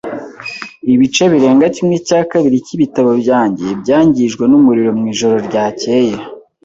Ibice birenga kimwe cya kabiri cyibitabo byanjye byangijwe numuriro mwijoro ryakeye.